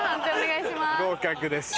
合格です。